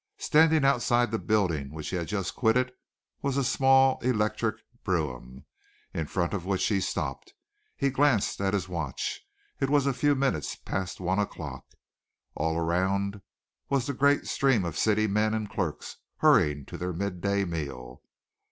Standing outside the building which he had just quitted was a small electric brougham, in front of which he stopped. He glanced at his watch. It was a few minutes past one o'clock. All around was the great stream of city men and clerks, hurrying to their mid day meal.